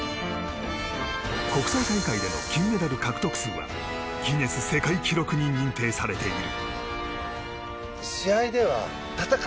国際大会での金メダル獲得数はギネス世界記録に認定されている。